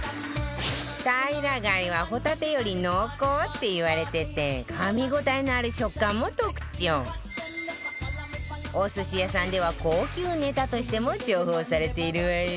たいら貝はホタテより濃厚っていわれててかみ応えのある食感も特徴お寿司屋さんでは高級ネタとしても重宝されているわよ